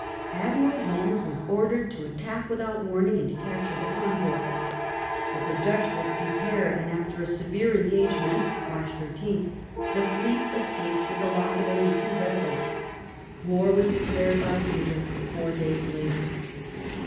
Admiral Holmes was ordered to attack without warning, and to capture the convoy. But the Dutch were pre pared, and after a severe engagement (March 13) the fleet escaped with the loss of only two vessels. War was declared by England four days later.